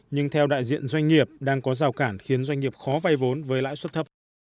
nhưng theo đại diện doanh nghiệp đang có rào cản khiến doanh nghiệp khó vay vốn với lãi suất thấp